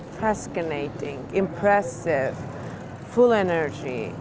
memang menakjubkan mengagumkan penuh energi